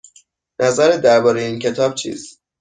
نظرت درباره این کتاب چیست؟